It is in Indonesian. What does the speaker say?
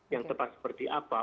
yang tepat seperti apa